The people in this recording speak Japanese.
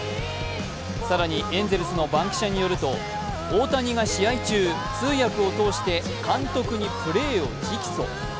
更にエンゼルスの番記者によると大谷が試合中、通訳を通して監督にプレーを直訴。